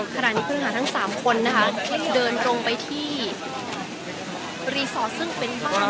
ขณะนี้เพิ่งหาทั้งสามคนนะคะเดินตรงไปที่รีสอร์ตซึ่งเป็นบ้านนะครับ